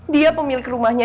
dia pemilik rumahnya